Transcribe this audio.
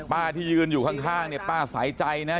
ป้าที่ยืนอยู่ข้างป้าใส่ใจนะฮะ